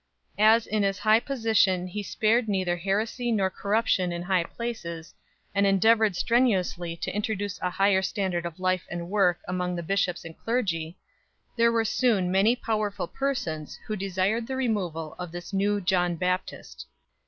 As in his high position he spared neither heresy nor corruption in high places, and endeavoured strenuously to introduce a higher standard of life and work among the bishops and clergy, there were soon many powerful persons who desired the removal of this new John Baptist.